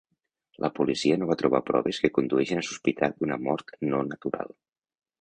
La policia no va trobar proves que condueixin a sospitar d'una mort no natural.